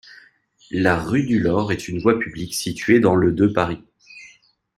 La rue Dulaure est une voie publique située dans le de Paris.